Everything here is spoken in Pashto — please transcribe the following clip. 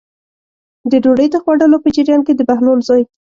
د ډوډۍ د خوړلو په جریان کې د بهلول زوی.